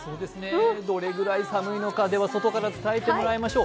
どれぐらい寒いのか、外から伝えてもらいましょう。